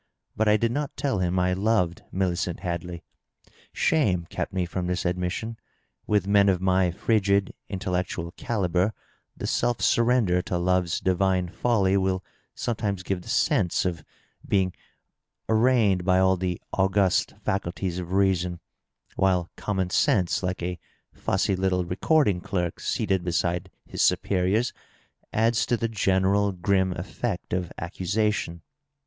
But I did not tell him I loved Millicent Hadley. Shame kept me from this admission ; with men of my frigid intellectual calibre the self surrender to love's divine folly will sometimes give the sense of being arraigned by all the august &culties of reason, wnile common sense, like a fussy little record ing clerk seated beside his superiors, adds to the general grim effect of accusation.